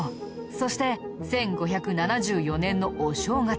そして１５７４年のお正月